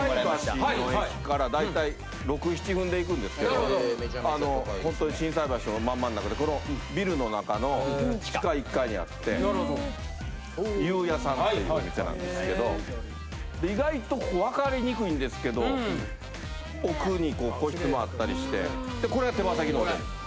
心斎橋の駅から大体６７分で行くんですけどあのほんとに心斎橋のまん真ん中でこのビルの中の地下１階にあってゆうやさんっていうお店なんですけど意外とここ分かりにくいんですけど奥に個室もあったりしてこれは手羽先のおでんです。